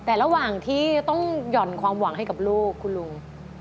แต่ระหว่างที่ต้องหย่อนความหวังให้กับลูกคุณลุง